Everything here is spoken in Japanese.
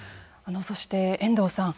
そして遠藤さん。